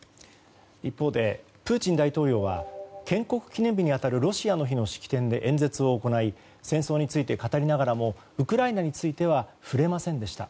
一方で、プーチン大統領は建国記念日に当たるロシアの日の式典で演説を行い戦争について語りながらもウクライナについては触れませんでした。